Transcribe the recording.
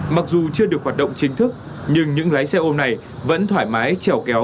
mặc dù chưa được hoạt động chính thức nhưng những lái xe ôm này vẫn thoải mái chèo kéo